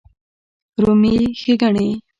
رومي ښېګڼې